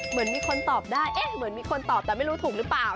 เหมือนมีคนตอบได้เอ๊ะเหมือนมีคนตอบแต่ไม่รู้ถูกหรือเปล่า